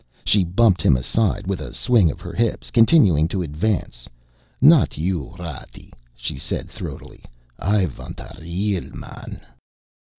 She bumped him aside with a swing of her hips, continuing to advance. "Not you, Ratty," she said throatily. "I vant a real man."